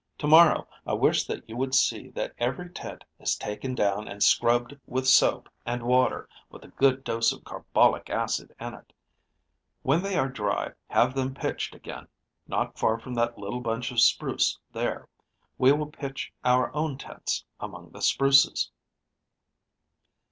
To morrow I wish that you would see that every tent is taken down and scrubbed with soap and water with a good dose of carbolic acid in it. When they are dry, have them pitched again, not far from that little bunch of spruce there. We will pitch our own tents among the spruces."